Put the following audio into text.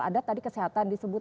ada tadi kesehatan disebut